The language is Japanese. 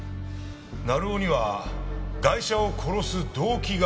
成尾にはガイシャを殺す動機がある。